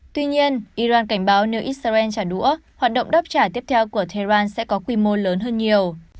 tuy nhiên iran cảnh báo nếu israel trả đũa hoạt động đáp trả tiếp theo của tehran sẽ có quy mô lớn hơn nhiều